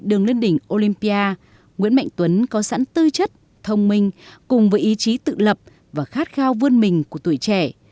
trong đỉnh olympia nguyễn mạnh tuấn có sẵn tư chất thông minh cùng với ý chí tự lập và khát khao vươn mình của tuổi trẻ